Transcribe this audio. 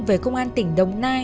về công an tỉnh đồng nai